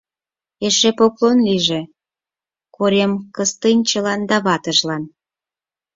Эше поклон лийже Корем Кыстинчилан да ватыжлан.